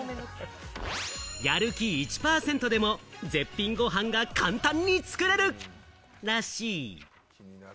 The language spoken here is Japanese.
やる気１％でも絶品ご飯が簡単に作れるらしい。